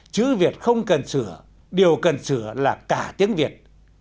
chữ việt không cần sửa điều cần sửa là cả tiếng việt